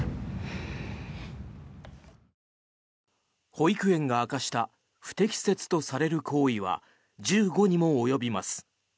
保育園が明かした不適切とされる行為は１５にも及びます。